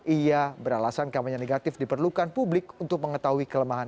ia beralasan kampanye negatif diperlukan publik untuk mengetahui kelemahan